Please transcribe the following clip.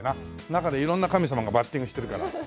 中で色んな神様がバッティングしてるから。